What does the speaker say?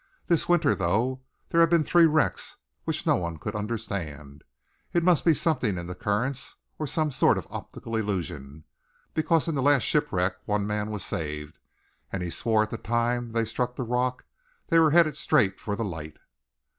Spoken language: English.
This winter, though, there have been three wrecks which no one could understand. It must be something in the currents, or a sort of optical illusion, because in the last shipwreck one man was saved, and he swore that at the time they struck the rock, they were headed straight for the light."